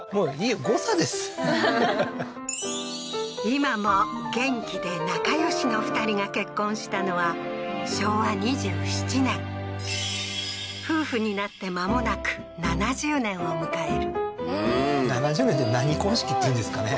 今も元気で仲よしの２人が結婚したのは昭和２７年夫婦になって間もなく７０年を迎える７０年って何婚式っていうんですかね？